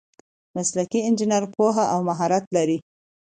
مسلکي انجینر پوهه او مهارت لري.